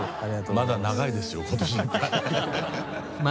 まだ長いですよ今年いっぱい。